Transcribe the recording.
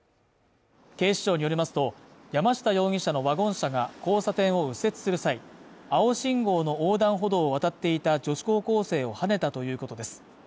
警視庁によりますと、山下容疑者のワゴン車が交差点を右折する際、青信号の横断歩道を渡っていた女子高校生をはねたということです。